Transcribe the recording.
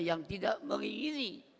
yang tidak mengingini